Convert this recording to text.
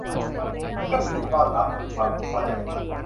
เครื่องดื่มต้อนรับคือความพึงพอใจ